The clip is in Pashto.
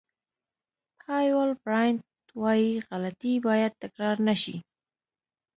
پایول براینټ وایي غلطۍ باید تکرار نه شي.